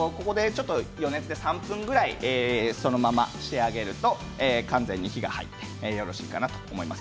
余熱で３分ぐらいそのまま仕上げると完全に火が入りますのでよろしいかなと思います。